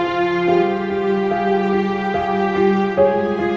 sibuk banget sama urusan teror ini